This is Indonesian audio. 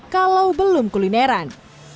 kalau belum kulineran